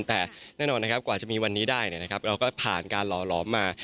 แต่แน่นอนกว่าจะมีวันนี้ได้เราก็ผ่านการหล่อมา